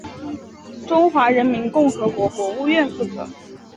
中华人民共和国国务院负责。